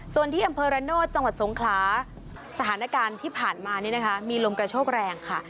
ส่วนที่อำเภอระโนธจังหวัดสงขลาสถานการณ์ที่ผ่านมานี่นะคะมีลมกระโชกแรงค่ะ